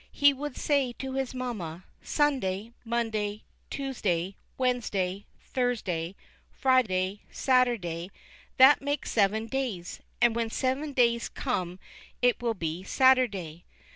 He would say to his mamma, "Sunday, Monday, Tues day, Wednesday, Thursday, Friday, Saturday; that makes seven days, and when seven days come it will be Saturday."